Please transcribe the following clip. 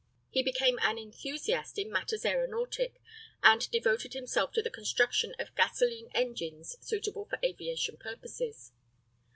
He became an enthusiast in matters aeronautic, and devoted himself to the construction of gasoline engines suitable for aviation purposes.